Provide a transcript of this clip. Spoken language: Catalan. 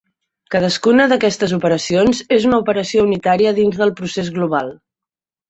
Cadascuna d'aquestes operacions és una operació unitària dins del procés global.